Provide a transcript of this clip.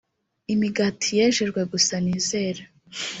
imigati yejejwe gusa nizere